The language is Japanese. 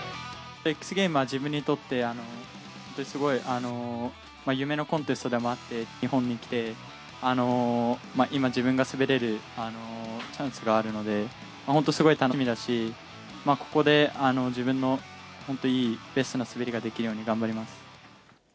ＸＧａｍｅｓは自分にとってすごい夢のコンテストでもあって、日本に来て、今、自分が滑れるチャンスがあるので、本当、すごい楽しみだし、ここで自分の本当いいベストな滑りができるように頑張ります。